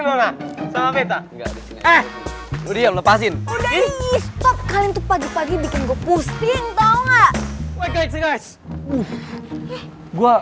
lona sama betta eh udah lepasin udah iiih kalian tuh pagi pagi bikin gue pusing tau nggak gue